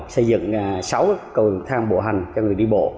xây dựng sáu cầu thang bộ hành cho người đi bộ